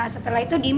setelah itu diberikan